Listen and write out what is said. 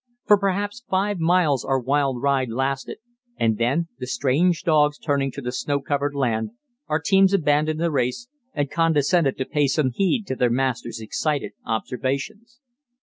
For perhaps five miles our wild ride lasted, and then, the strange dogs turning to the snow covered land, our teams abandoned the race and condescended to pay some heed to their masters' excited observations.